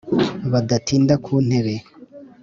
badatinda ku ntebe